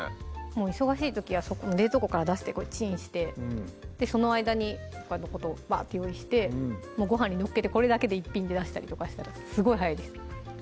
もう忙しい時は冷凍庫から出してチンしてその間にほかのことバッて用意してごはんに載っけてこれだけで１品で出したりとかしたらすごい早いです